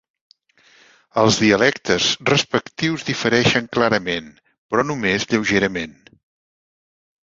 Els dialectes respectius difereixen clarament, però només lleugerament.